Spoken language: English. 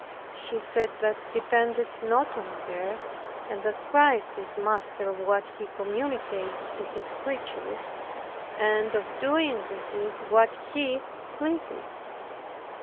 She said that depended not on her, and that Christ is master of what He communicates to His creatures, and of doing with it what He pleases.